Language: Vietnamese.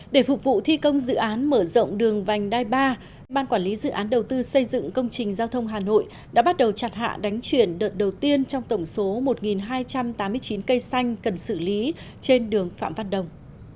để phục vụ thi công dự án mở rộng đường vành đai ba ban quản lý dự án đầu tư xây dựng công trình giao thông hà nội đã bắt đầu chặt hạ đánh chuyển đợt đầu tiên trong tổng số một hai trăm tám mươi chín cây xanh cần xử lý trên đường phạm văn đồng